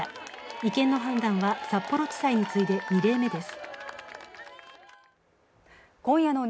違憲の判断は、札幌地裁に次いで２例目です。